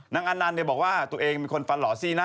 นางอานันเนี่ยบอกว่าตัวเองมีคนฟันหล่อซีน่ะ